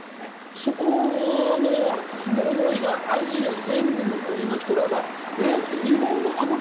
そこの思いがアジア全部の国の人らが。